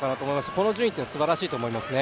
この順位はすばらしいと思いますね。